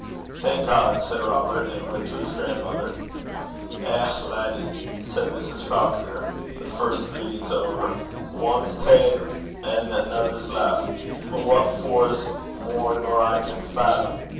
'Thank God!' said Robert, and went to his grandmother. 'Eh, laddie!' said Mrs. Falconer, the first greetings over, 'ane 's ta'en an' anither 's left! but what for 's mair nor I can faddom.